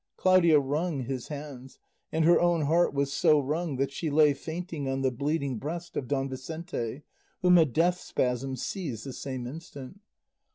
Claudia wrung his hands, and her own heart was so wrung that she lay fainting on the bleeding breast of Don Vicente, whom a death spasm seized the same instant.